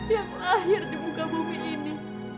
yang terakhir di bumi ini